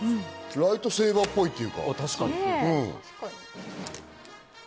ライトセーバーっぽいっていうか。